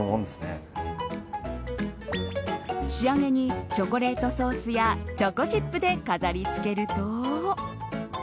仕上げに、チョコレートソースやチョコチップで飾り付けると。